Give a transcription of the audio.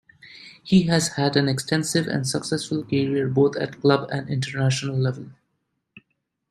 He has had an extensive and successful career both at club and international level.